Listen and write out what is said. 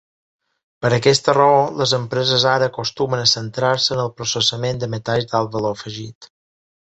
Per aquesta raó, les empreses ara acostumen a centrar-se en el processament de metalls d'alt valor afegit.